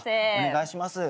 お願いします。